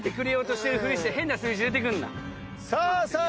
さあさあ